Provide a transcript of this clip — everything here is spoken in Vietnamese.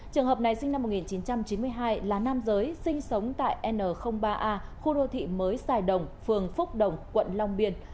trường hợp này sinh năm một nghìn chín trăm chín mươi hai là nam giới sinh sống tại n ba a khu đô thị mới sài đồng phường phúc đồng quận long biên